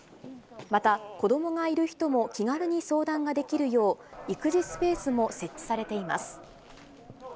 また、子どもがいる人も気軽に相談ができるよう、育児スペースも設置されています。